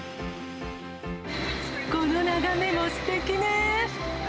この眺めもすてきね。